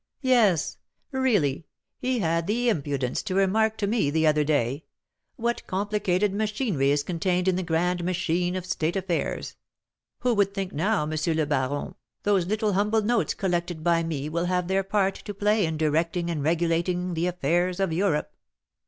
Yes, really, he had the impudence to remark to me the other day, 'What complicated machinery is contained in the grand machine of state affairs! Who would think now, M. le Baron, those little humble notes collected by me will have their part to play in directing and regulating the affairs of Europe!'"